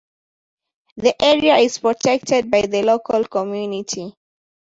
The area is protected by the local community.